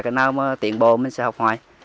cái nào tiền bồ mình sẽ học hoài